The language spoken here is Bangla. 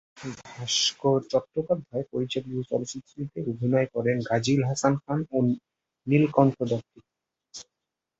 ভাস্বর চট্টোপাধ্যায় পরিচালিত চলচ্চিত্রটিতে অভিনয় করেন গাজীউল হাসান খান এবং নীলকণ্ঠ দত্ত।